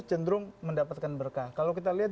tanta ini mungkin sangat kelompok konf towels